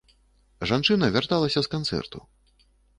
Жанчына вярталася з канцэрту.